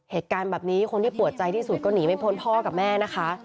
เหตุการณ์แบบนี้คนที่ปวดใจที่สุดก็หนีไม่พ้นพ่อกับแม่นะคะ